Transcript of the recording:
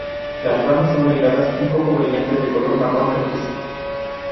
Las ramas son delgadas, un poco brillantes, de color marrón rojizo.